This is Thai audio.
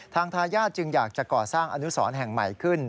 ทายาทจึงอยากจะก่อสร้างอนุสรแห่งใหม่ขึ้น